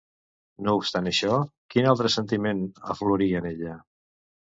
No obstant això, quin altre sentiment aflorí en ella?